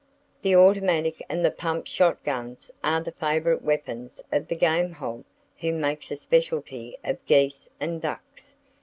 The automatic and the "pump" shot guns are the favorite weapons of the game hog who makes a specialty of geese and ducks.